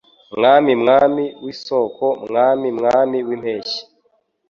Mwami Mwami w'Isoko Mwami Mwami w'impeshyi